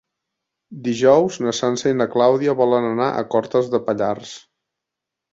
Dijous na Sança i na Clàudia volen anar a Cortes de Pallars.